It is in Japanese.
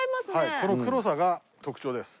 この黒さが特徴です。